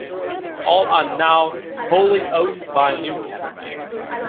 All are now wholly owned by Newcap.